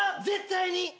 絶対に。